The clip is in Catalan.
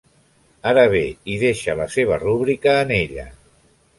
Ara bé hi deixa la seva rúbrica en ella.